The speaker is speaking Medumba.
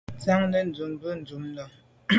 Tsiante ndùb be ntùm ndà.